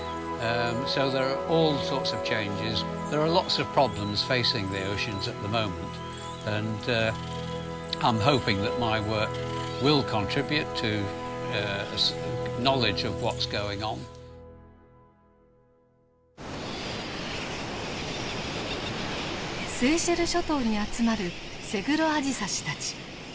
セーシェル諸島に集まるセグロアジサシたち。